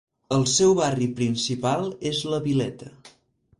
El seu barri principal és la Vileta.